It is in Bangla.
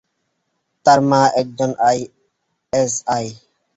তার মা একজন এসআই।